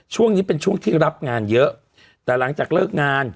ช่วงนี้เป็นช่วงที่รับงานเยอะแต่หลังจากเลิกงาน